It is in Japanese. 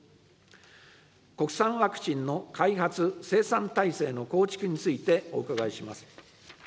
国産ワクチンの開発・生産体制の構築について、お伺いします。